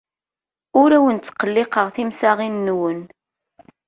Ur awen-ttqelliqeɣ timsaɣin-nwen.